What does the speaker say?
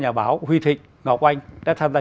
nhà báo huy thị ngọc oanh đã tham gia